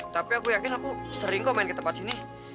tapi aku yakin aku sering kok main ke tempat sini